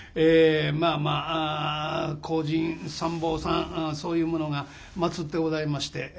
まあまあ荒神三宝さんそういうものがまつってございまして。